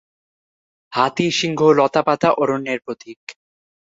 হাতি, সিংহ, লতা-পাতা অরণ্যের প্রতীক।